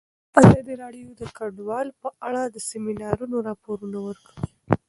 ازادي راډیو د کډوال په اړه د سیمینارونو راپورونه ورکړي.